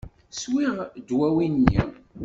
Swiɣ ddwawi-nni.